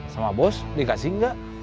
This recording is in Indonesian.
sama bos dikasih nggak